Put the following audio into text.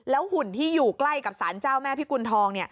หุ่นที่อยู่ใกล้กับสารเจ้าแม่พิกุณฑอง